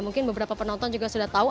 mungkin beberapa penonton juga sudah tahu